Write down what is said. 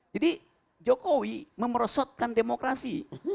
jadi jokowi merosotkan demokrasi